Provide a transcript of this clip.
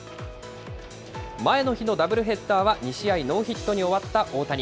前の日のダブルヘッダーは２試合ノーヒットに終わった大谷。